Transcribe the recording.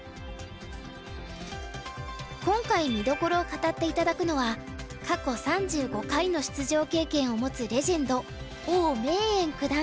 今回見どころを語って頂くのは過去３５回の出場経験を持つレジェンド王銘九段。